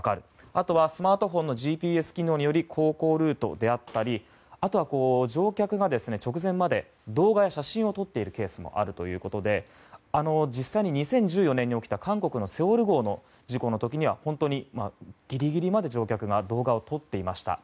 あとはスマートフォンのＧＰＳ機能により航行ルートであったりあとは乗客が直前まで動画や写真を撮っているケースもあるということで実際に２０１４年に起きた韓国の「セウォル号」の事故の時には本当にギリギリまで乗客が動画を撮っていました。